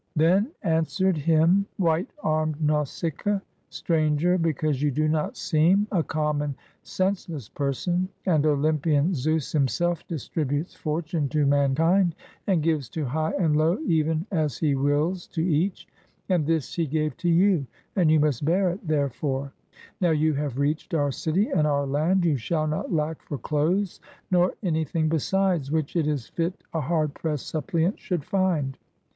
Then answered him white armed Nausicaa: "Stran ger, because you do not seem a common, senseless per son, — and Olympian Zeus himself distributes fortune to mankind and gives to high and low even as he wills to each; and this he gave to you, and you must bear it therefore, — now you have reached our city and our land, you shall not lack for clothes nor anything besides which it is fit a hard pressed suppliant should find.